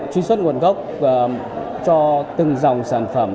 truy xuất nguồn gốc cho từng dòng sản phẩm